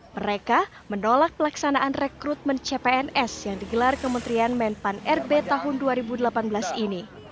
mereka menolak pelaksanaan rekrutmen cpns yang digelar kementerian menpan rb tahun dua ribu delapan belas ini